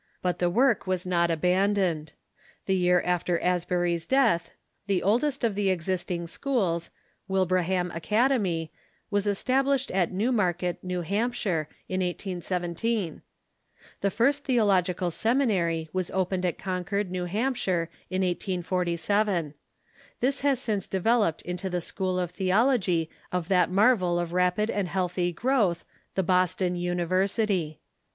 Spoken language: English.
But the Avork was not abandoned. The year after Asbury's death the oldest of the existing schools, Wilbrahara Academy, was established at Newmarket, New Hampshire, 1817. The first theological seminary was opened at Concord, New Hampshire, in 1847. This has since devel oped into the School of Theology of that marvel of rapid and healthy growth. The Boston University.